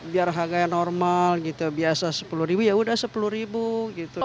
biar harga yang normal biasa rp sepuluh ya udah rp sepuluh